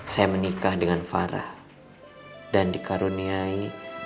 saya berdosa mbak